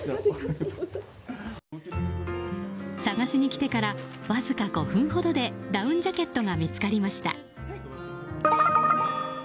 探しに来てからわずか５分ほどでダウンジャケットが見つかりました。